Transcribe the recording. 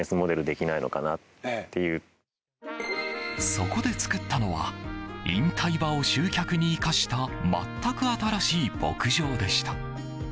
そこで作ったのは引退馬を集客に生かした全く新しい牧場でした。